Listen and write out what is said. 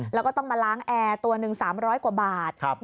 แล้วก็ต้องมาล้างแอร์ตัวหนึ่ง๓๐๐กว่าบาท